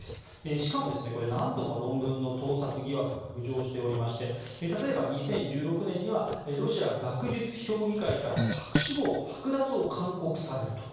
しかも何度も論文の盗作疑惑が浮上しておりまして例えば、２０１６年にはロシア学術評議会から博士号剥奪を勧告されると。